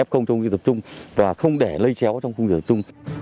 f trong khu kinh nghiệm tập trung và không để lây chéo trong khu kinh nghiệm tập trung